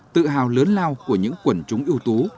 tự hào lớn lao của những quần chúng yếu tố